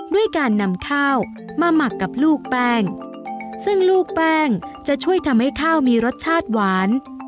ด้วยการนำข้าวมาหมักกับลูกแป้งซึ่งลูกแป้งจะช่วยทำให้ข้าวมีรสชาติหวาน